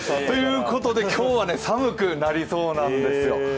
ということで今日は寒くなりそうなんですよ。